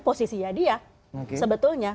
posisinya dia sebetulnya